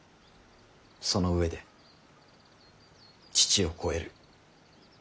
その上で父を超える。